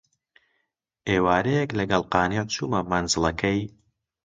ئێوارەیەک لەگەڵ قانیع چوومە مەنزڵەکەی